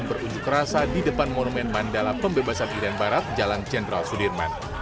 berunjuk rasa di depan monumen mandala pembebasan iren barat jalan jenderal sudirman